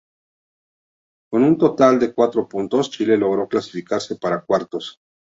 Con un total de cuatro puntos Chile logró clasificarse para cuartos.